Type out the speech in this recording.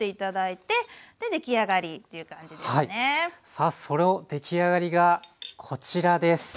さあその出来上がりがこちらです。